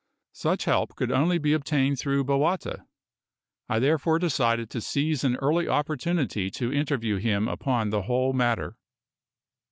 Such help could only be obtained through Bowata. I therefore decided to seize an early opportunity to interview him upon the whole matter.